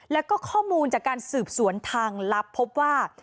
แล้วก็ข้อมูลจากการสืบสวนทางลับพบว่า